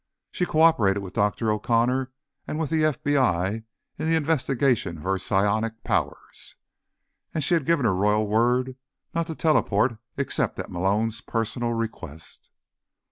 She co operated with Dr. O'Connor and with the FBI in the investigation of her psionic powers, and she had given her Royal word not to teleport except at Malone's personal request.